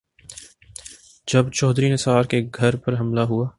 جب چوہدری نثار کے گھر پر حملہ ہوا۔